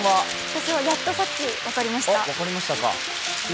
私はやっとさっき分かりました。